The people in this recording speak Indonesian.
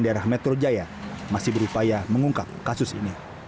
dan daerah metro jaya masih berupaya mengungkap kasus ini